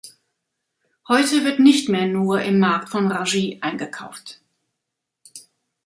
Heute wird nicht mehr nur im Markt von Rungis eingekauft.